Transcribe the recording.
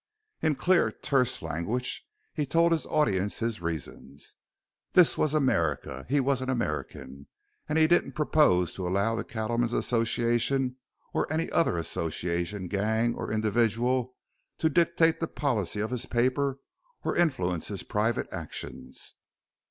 In clear, terse language he told his audience his reasons. This was America; he was an American, and he didn't purpose to allow the Cattlemen's Association or any other association, gang, or individual to dictate the policy of his paper or influence his private actions.